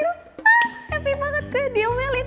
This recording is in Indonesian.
lupa happy banget gue di omelit